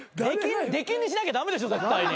出禁にしなきゃ駄目でしょ絶対に。